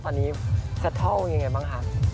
ตอนนี้แท็ตเทิลยังไงบ้างคะ